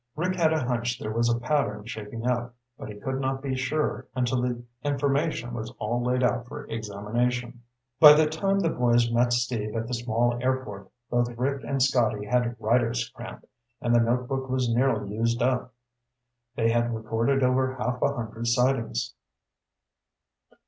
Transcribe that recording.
Rick had a hunch there was a pattern shaping up, but he could not be sure until the information was all laid out for examination. By the time the boys met Steve at the small airport, both Rick and Scotty had writer's cramp, and the notebook was nearly used up. They had recorded over half a hundred sightings.